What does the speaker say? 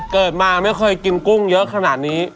เกิดมาไม่เคยกินกุ้งเยอะขนาดนี้